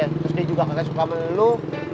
terus dia juga kagak suka sama lo